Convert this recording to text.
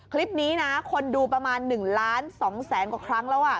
คลิปนี้คนดูประมาณ๑๒๐๐๐๐๐ก่อนครั้งแล้ว